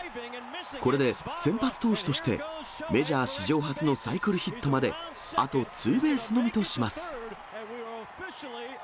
これで先発投手としてメジャー史上初のサイクルヒットまであとツーベースのみとします。